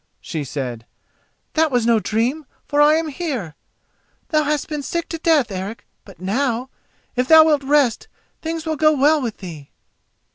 she said; "that was no dream, for I am here. Thou hast been sick to death, Eric; but now, if thou wilt rest, things shall go well with thee."